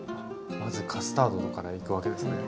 まずカスタードからいくわけですね。